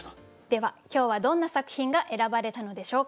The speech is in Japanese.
では今日はどんな作品が選ばれたのでしょうか。